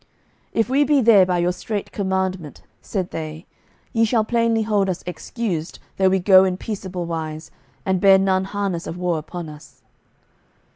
"If we be there by your straight commandment," said they, "ye shall plainly hold us excused though we go in peaceable wise, and bear none harness of war upon us."